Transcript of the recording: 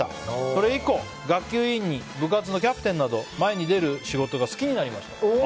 それ以降、学級委員に部活のキャプテンなど前に出る仕事が好きになりました。